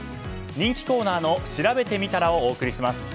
人気コーナーの「しらべてみたら」をお送りします。